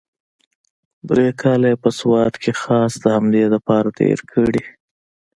درې کاله يې په سوات کښې خاص د همدې دپاره تېر کړي.